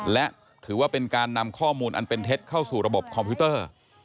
และถือว่าเป็นการนำข้อมูลอันเป็นเท็จเข้าสู่ระบบคอมพิวเตอร์